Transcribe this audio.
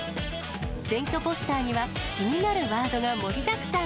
選挙ポスターには気になるワードが盛りだくさん。